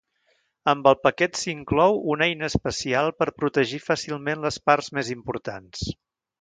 Amb el paquet s'inclou una eina especial per protegir fàcilment les parts més importants.